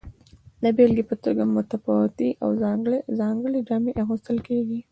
د بیلګې په توګه متفاوتې او ځانګړې جامې اغوستل کیږي.